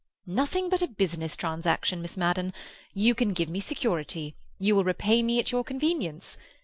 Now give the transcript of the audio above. "Nothing but a business transaction, Miss Madden. You can give me security; you will repay me at your convenience.